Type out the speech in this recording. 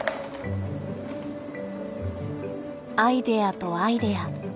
アイデアとアイデア。